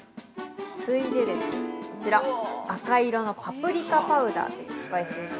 次いで、こちら、赤色のパプリカパウダーというスパイスです。